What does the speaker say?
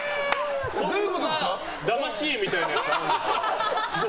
だまし絵みたいなやつあるんだ。